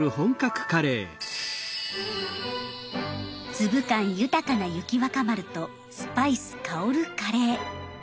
粒感豊かな雪若丸とスパイス香るカレー。